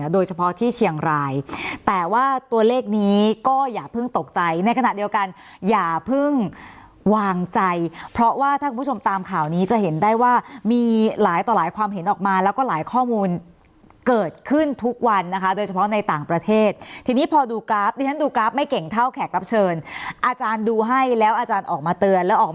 โดยเฉพาะที่เชียงรายแต่ว่าตัวเลขนี้ก็อย่าเพิ่งตกใจในขณะเดียวกันอย่าเพิ่งวางใจเพราะว่าถ้าคุณผู้ชมตามข่าวนี้จะเห็นได้ว่ามีหลายต่อหลายความเห็นออกมาแล้วก็หลายข้อมูลเกิดขึ้นทุกวันนะคะโดยเฉพาะในต่างประเทศทีนี้พอดูกราฟดิฉันดูกราฟไม่เก่งเท่าแขกรับเชิญอาจารย์ดูให้แล้วอาจารย์ออกมาเตือนแล้วออก